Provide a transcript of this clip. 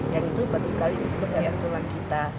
yang itu bagus sekali untuk kesehatan tulang kita